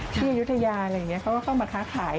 อายุทยาอะไรอย่างนี้เขาก็เข้ามาค้าขาย